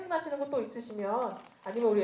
ฐานที่เกิดได้